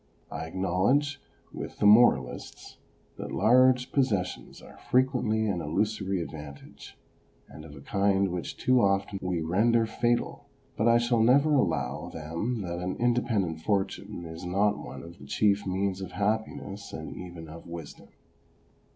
I acknowledge, with the moralists, that large possessions are frequently an illusory advantage, and of a kind which too often we render fatal ; but I shall never allow them that an independent fortune is not one of the chief means of happiness and even of wisdom.